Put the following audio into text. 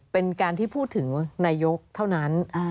เป็นการที่พูดถึงนายกเท่านั้น